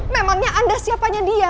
memangnya anda siapanya dia